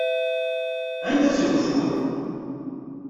Anda-t ugeffur?